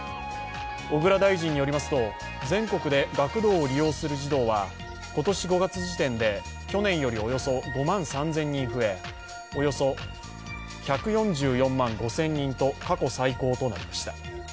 小倉大臣によりますと、全国で学童を利用する児童は今年５月時点で去年よりおよそ５万３０００人増え、およそ１４４万５０００人と過去最高となりました。